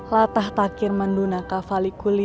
latah takir andunaka falikul ise dimensions